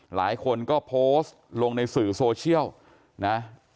หลายคนก็โพสต์ลงในสื่อโซเชียลนะ